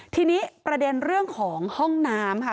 ทีนี้ประเด็นเรื่องของห้องน้ำค่ะ